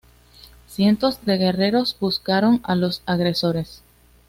Cientos de guerreros buscaron a los agresores.